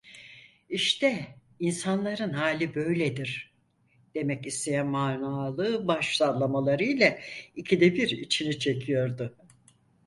"İşte insanların hali böyledir!" demek isteyen manalı baş sallamaları ile ikide bir içini çekiyordu.